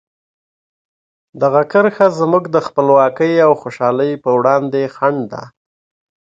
دغه کرښه زموږ د خپلواکۍ او خوشحالۍ په وړاندې خنډ ده.